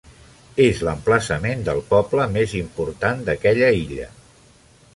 És l'emplaçament del poble més important d'aquella illa.